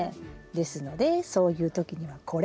ですのでそういう時にはこれを使います。